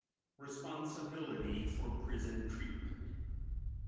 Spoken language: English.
RESPONSIBILITY FOR PRISON TREATMENT.